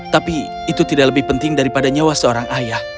tapi itu tidak lebih penting daripada nyawa seorang ayah